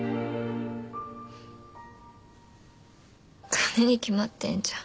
金に決まってんじゃん。